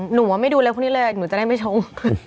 หนูว่าไม่ดูแลพวกนี้เลยหนูจะได้ไม่ชง